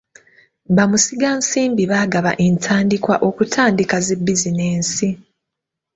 Ba musigansimbi bagaba entandikwa okutandika zi bizinensi.